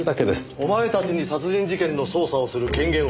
お前たちに殺人事件の捜査をする権限はない。